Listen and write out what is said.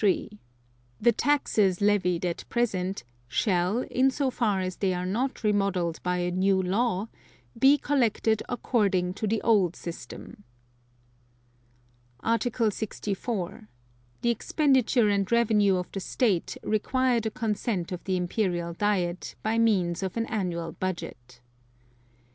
The taxes levied at present shall, in so far as they are not remodelled by a new law, be collected according to the old system. Article 64. The expenditure and revenue of the State require the consent of the Imperial Diet by means of an annual Budget.